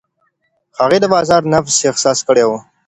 هغې د بازار نبض احساس کړی و.